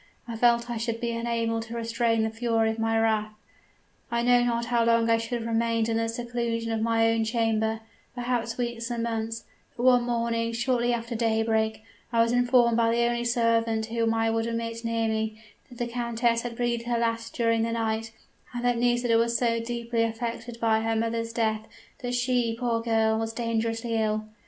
I felt I should be unable to restrain the fury of my wrath! "I know not how long I should have remained in the seclusion of my own chamber perhaps weeks and months, but one morning shortly after daybreak, I was informed by the only servant whom I would admit near me, that the countess had breathed her last during the night, and that Nisida was so deeply affected by her mother's death, that she, poor girl, was dangerously ill.